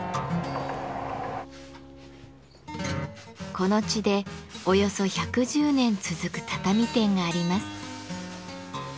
この地でおよそ１１０年続く畳店があります。